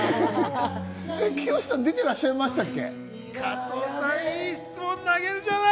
きよしさん、出てらっしゃいましたっけ？